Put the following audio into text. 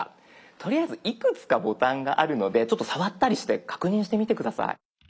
とりあえずいくつかボタンがあるのでちょっと触ったりして確認してみて下さい。